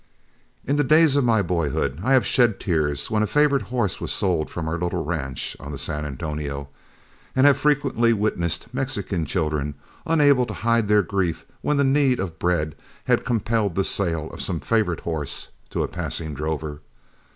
In the days of my boyhood I have shed tears when a favorite horse was sold from our little ranch on the San Antonio, and have frequently witnessed Mexican children unable to hide their grief when need of bread had compelled the sale of some favorite horse to a passing drover.